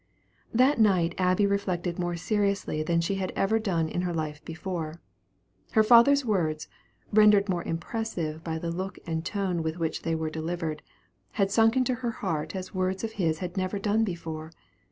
That night Abby reflected more seriously than she had ever done in her life before. Her father's words, rendered more impressive by the look and tone with which they were delivered, had sunk into her heart as words of his had never done before.